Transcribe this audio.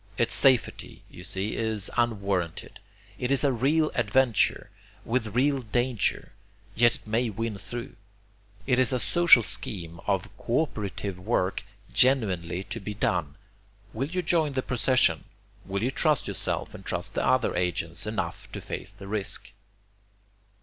Its safety, you see, is unwarranted. It is a real adventure, with real danger, yet it may win through. It is a social scheme of co operative work genuinely to be done. Will you join the procession? Will you trust yourself and trust the other agents enough to face the risk?"